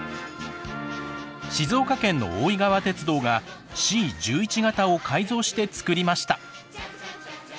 静岡県の大井川鐵道がＣ１１形を改造して作りました。